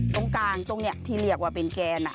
ตรงกลางตรงนี้ที่เรียกว่าเป็นแกน